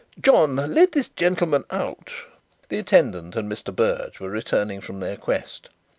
John, let this gentleman out." The attendant and Mr. Berge were returning from their quest.